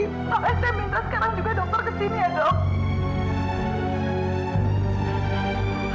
tapi saya minta sekarang juga dokter ke sini ya dok